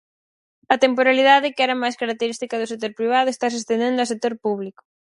A temporalidade que era máis característica do sector privado estase estendendo a sector público.